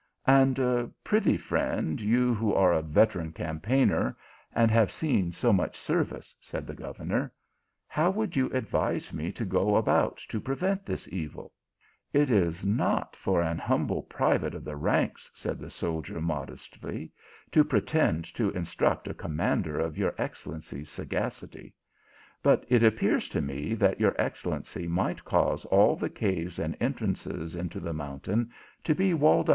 " And pry thee, friend, you who are a veteran cam paigner, and have seen so much service," said the governor, " how would you advise me to go about to prevent this evil ?"" It is not for an humble private of the ranks," said the soldier modestly, " to pretend to instruct a commander of your excellency s sagacity ; but it ap pears to me that your excellency might cause all the caves and entrances into the mountain to be walled 262 THE ALIIAMBRA.